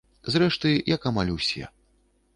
Зрэшты, як амаль усе.